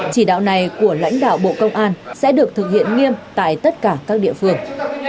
chỉ đạo này của lãnh đạo bộ công an sẽ được thực hiện nghiêm tại tất cả các địa phương